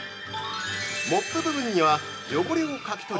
モップ部分には汚れをかき取る